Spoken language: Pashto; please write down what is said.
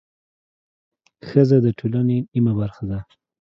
ښځه د ټولنې نیمه برخه ده